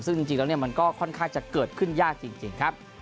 ซึ่งจริงแล้วมันก็ค่อนข้างจะเกิดขึ้นยากจริงครับ